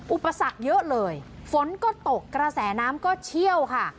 อุปสรรคเยอะเลยฝนก็ตกกระแสน้ำก็เชี่ยวค่ะ